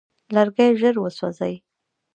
لرګی ژر وسوځي.